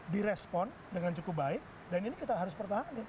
direspon dengan cukup baik dan ini kita harus pertahankan